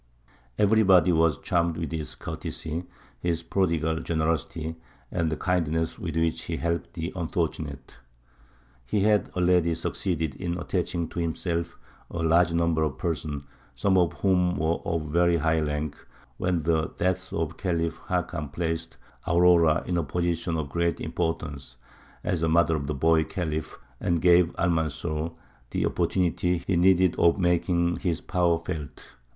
Everybody was charmed with his courtesy, his prodigal generosity, and the kindness with which he helped the unfortunate. He had already succeeded in attaching to himself a large number of persons, some of whom were of very high rank, when the death of the Khalif Hakam placed Aurora in a position of great importance, as mother of the boy Khalif, and gave Almanzor the opportunity he needed of making his power felt.